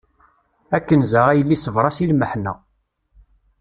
A Kenza a yelli sbeṛ-as i lmeḥna.